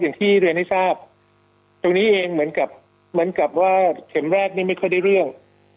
อย่างที่เรียนให้ทราบตรงนี้เองเหมือนกับเสมอแรกไม่ค่อยได้เรื่อง